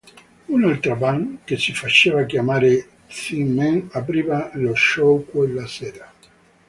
Un'altra band, che si faceva chiamare Thin Men apriva lo show quella sera.